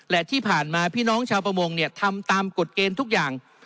และที่ผ่านมาพี่น้องชาวประมงเนี่ยทำตามกฎเกณฑ์ทุกอย่าง